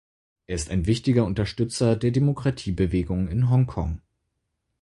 Er ist ein wichtiger Unterstützer der Demokratiebewegung in Hongkong.